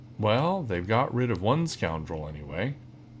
"Well, they've got rid of one scoundrel, any way.